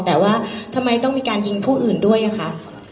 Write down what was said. แต่ว่าทำไมต้องไปยิงผู้อื่นด้วยว้าคะ